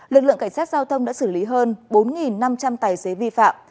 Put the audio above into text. lực lượng cảnh sát giao thông đã xử lý hơn bốn năm trăm linh tài xế vi phạm